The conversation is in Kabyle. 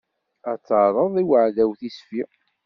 Ad terreḍ i uɛdaw tisfi.